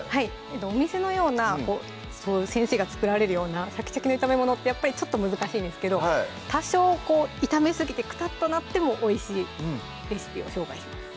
お店のような先生が作られるようなシャキシャキの炒め物ってやっぱりちょっと難しいですけど多少こう炒めすぎてクタッとなってもおいしいレシピを紹介します